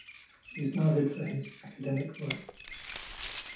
He is noted for his academic work.